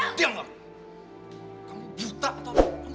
kemudian belowania kamu sudah jatuh likenya